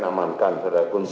namankan saudara kunci